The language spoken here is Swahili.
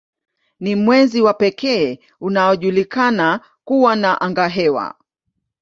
Ni mwezi wa pekee unaojulikana kuwa na angahewa.